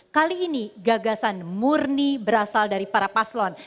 kali ini gagasan murni berasal dari para paslon